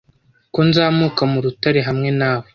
Ko nzamuka mu rutare hamwe nawe